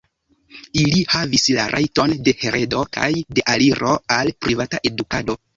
Ili havis la rajton de heredo kaj de aliro al privata edukado!